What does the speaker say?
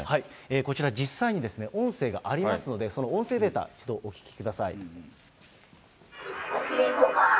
こちら、実際に音声がありますので、その音声データ、ちょっとお聞きください。